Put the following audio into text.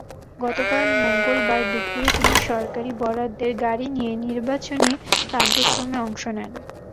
গতকাল মঙ্গলবার দুপুরে তিনি সরকারি বরাদ্দের গাড়ি নিয়ে নির্বাচনী কার্যক্রমে অংশ নেন।